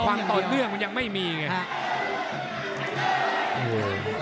แต่ความตอนเรื่องก็ยังไม่มีไง